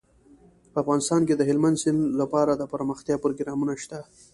په افغانستان کې د هلمند سیند لپاره د پرمختیا پروګرامونه شته.